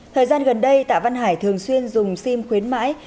thời gian gần đây tạ văn hải thường xuyên dùng sim khuyến mãi